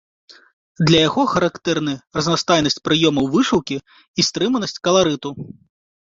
Для яго характэрны разнастайнасць прыёмаў вышыўкі і стрыманасць каларыту.